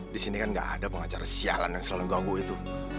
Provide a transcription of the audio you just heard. di sini kan gak ada pengacara sialan yang selalu ganggu itu